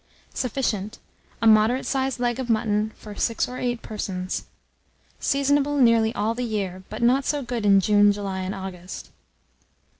Sufficient. A moderate sized leg of mutton for 6 or 8 persons. Seasonable nearly all the year, but not so good in June, July, and August.